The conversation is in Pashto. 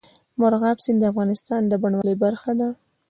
مورغاب سیند د افغانستان د بڼوالۍ برخه ده.